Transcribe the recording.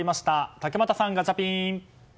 竹俣さん、ガチャピン！